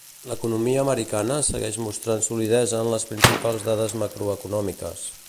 L'economia americana segueix mostrant solidesa en les principals dades macroeconòmiques.